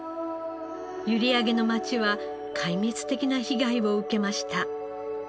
閖上の町は壊滅的な被害を受けました。